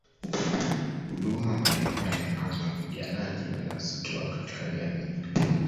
Huduma mbalimbali ambazo wapiganaji wanazozitoa katika jamii